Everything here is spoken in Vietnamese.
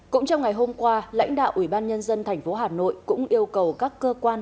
cũng trong ngày hôm qua lãnh đạo ủy ban nhân dân tp hà nội cũng yêu cầu các cơ quan